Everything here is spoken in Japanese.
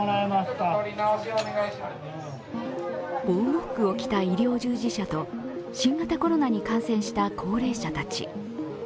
防護服を着た医療従事者と、新型コロナに感染した高齢者たち。